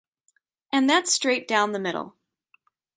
And that's straight down the middle.